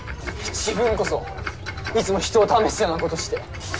自分こそいつも人を試すようなことして。